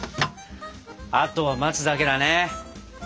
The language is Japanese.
あとは待つだけだね。